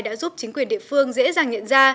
đã giúp chính quyền địa phương dễ dàng nhận ra